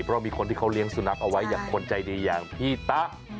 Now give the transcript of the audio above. เพราะมีคนที่เขาเลี้ยงสุนัขเอาไว้อย่างคนใจดีอย่างพี่ตะ